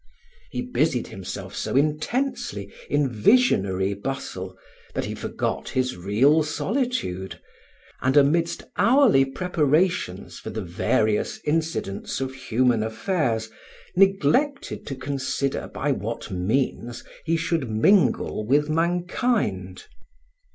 He busied himself so intensely in visionary bustle that he forgot his real solitude; and amidst hourly preparations for the various incidents of human affairs, neglected to consider by what means he should mingle with mankind.